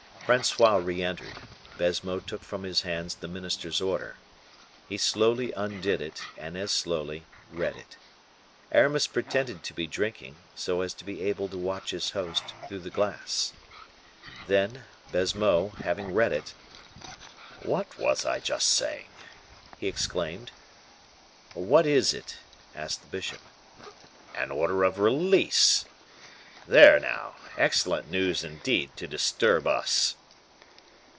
Francois re entered; Baisemeaux took from his hands the minister's order. He slowly undid it, and as slowly read it. Aramis pretended to be drinking, so as to be able to watch his host through the glass. Then, Baisemeaux, having read it: "What was I just saying?" he exclaimed. "What is it?" asked the bishop. "An order of release! There, now; excellent news indeed to disturb us!"